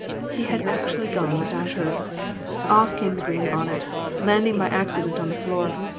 He had actually gone without her! Off came the green bonnet, landing by accident, on the floor.